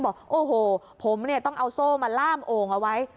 บอกโอ้โหผมต้องเอาโซ่มาล่ามองค์เอาไว้